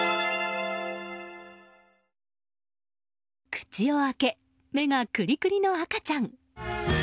口を開け目がクリクリの赤ちゃん。